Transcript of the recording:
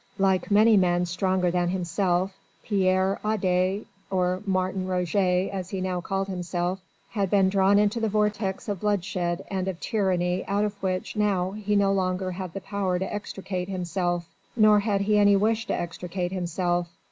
Like many men stronger than himself, Pierre Adet or Martin Roget as he now called himself had been drawn into the vortex of bloodshed and of tyranny out of which now he no longer had the power to extricate himself. Nor had he any wish to extricate himself.